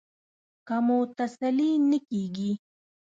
که مو تسلي نه کېږي.